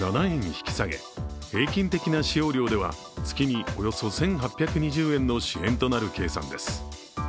引き下げ平均的な使用量では月におよそ１８２０円の支援となる計算です。